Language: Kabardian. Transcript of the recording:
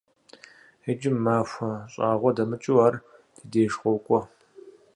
Иджы махуэ щӀагъуэ дэмыкӀыу ар ди деж къокӀуэ.